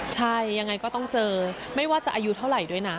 ใช่ยังไงก็ต้องเจอไม่ว่าจะอายุเท่าไหร่ด้วยนะ